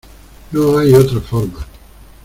no hay otra forma.